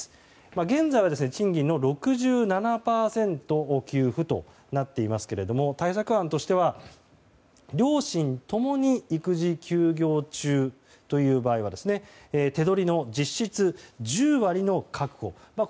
現在は賃金の６７％給付となっていますが対策案としては両親共に育児休業中という場合は手取りの実質１０割の確保